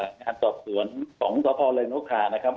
ช่วงป่ายวันนี้ผมได้นัดทิ้งงานของ